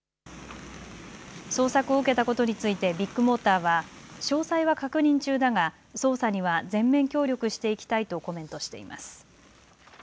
捜索を受けたことについてビッグモーターは詳細は確認中だが捜査には全面協力していきたいとコメントしています。